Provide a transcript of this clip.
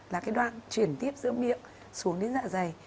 là cái đoạn chuyển tiếp giữa miệng xuống đến dạ dày